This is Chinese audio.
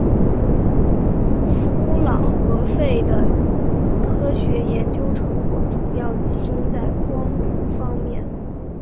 夫琅和费的科学研究成果主要集中在光谱方面。